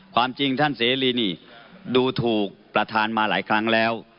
ความจริงท่านเสรีนี่ดูถูกประธานมาหลายครั้งแล้ว